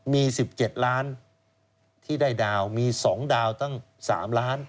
มี๑๗ล้านที่ได้ดาวมี๒ดาวตั้ง๓ล้าน